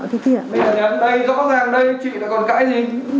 đây là nhắn đây rõ ràng đây chị là còn cãi gì